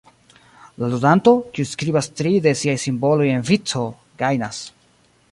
La ludanto, kiu skribas tri de siaj simboloj en vico, gajnas.